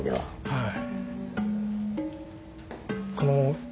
はい。